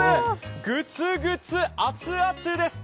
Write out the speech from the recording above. グツグツ、熱々です。